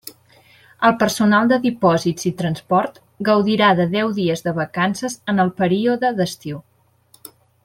El personal de Dipòsits i Transport gaudirà de deu dies de vacances en el període d'estiu.